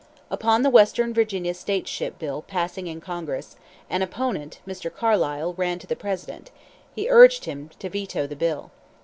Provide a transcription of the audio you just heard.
Upon the Western Virginia Stateship Bill passing in Congress, an opponent, Mr. Carlisle, ran to the President. He urged him to veto the bill.